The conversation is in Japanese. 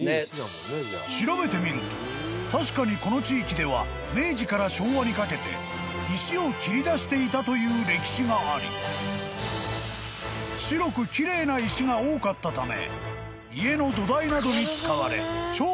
［調べてみると確かにこの地域では明治から昭和にかけて石を切り出していたという歴史があり白く奇麗な石が多かったため］